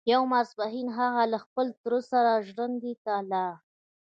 يو ماسپښين هغه له خپل تره سره ژرندې ته لاړ.